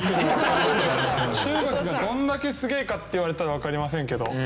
中国がどんだけすげえかっていわれたらわかりませんけど。